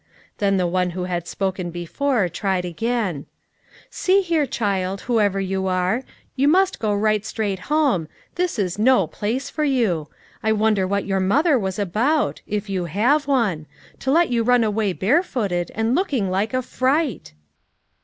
Then the one who had spoken before, tried again :" See here, child, whoever you are, you must go right straight home ; this is no place for you. I won der what your mother was about if you have one to let you run away barefooted, and looking like a fright."